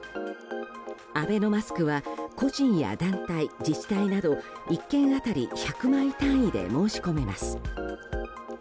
アベノマスクは個人や団体、自治体など１件当たり１００枚単位で申し込めます。